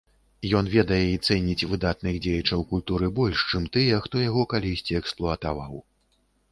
Ён ведае і цэніць выдатных дзеячаў культуры больш, чым тыя, хто яго калісьці эксплуатаваў.